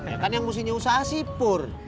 ya kan yang musuhnya usaha sih pur